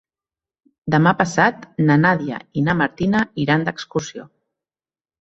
Demà passat na Nàdia i na Martina iran d'excursió.